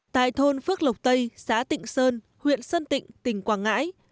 tại thôn phước lộc tây xã tịnh sơn huyện sơn tịnh tỉnh quảng ngãi